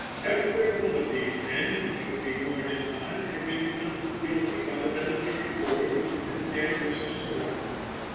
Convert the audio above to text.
Every one of these men, it should be borne in mind, had been pronounced guilty by the military board which had condemned Mrs. Surratt.